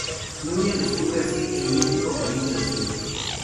Nuñez descubre así el mítico "País de los Ciegos".